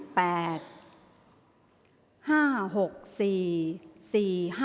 ออกรางวัลที่๖